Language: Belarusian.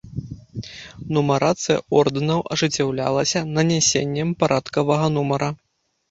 Нумарацыя ордэнаў ажыццяўлялася нанясеннем парадкавага нумара.